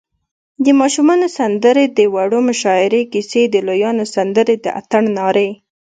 د ماشومانو سندرې، د وړو مشاعرې، کیسی، د لویانو سندرې، د اتڼ نارې